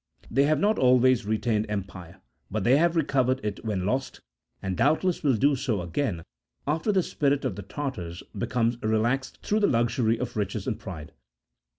They have not always retained empire, but they have recovered it when lost, and doubtless will do so again after the spirit of the Tartars becomes relaxed through the luxury of riches and pride.